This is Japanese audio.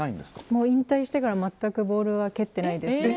もう引退してから全くボールは蹴ってないです。